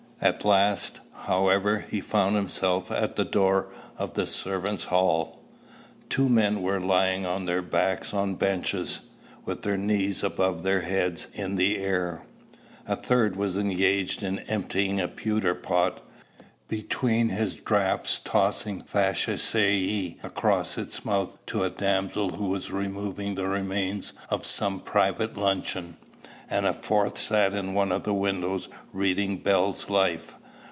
At last, however, he found himself at the door of the servants' hall. Two men were lying on their backs on benches, with their knees above their heads in the air; a third was engaged in emptying a pewter pot, between his draughts tossing facetiæ across its mouth to a damsel who was removing the remains of some private luncheon; and a fourth sat in one of the windows reading "Bell's Life."